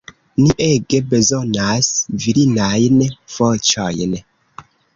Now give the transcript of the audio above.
Ni ege bezonas virinajn voĉojn.